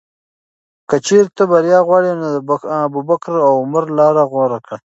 که چېرې ته بریا غواړې، نو د ابوبکر او عمر لاره غوره کړه.